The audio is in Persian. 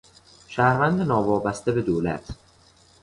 شهروند ناوابسته به دولت